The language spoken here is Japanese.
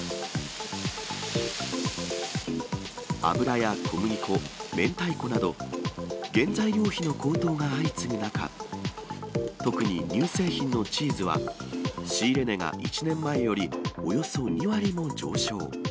油や小麦粉、明太子など、原材料費の高騰が相次ぐ中、特に乳製品のチーズは仕入れ値が１年前よりおよそ２割も上昇。